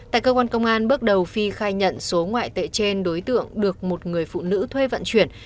tại cơ quan công an bước đầu phi khai nhận số ngoại tệ trên đối tượng được một người phụ nữ thuê vận chuyển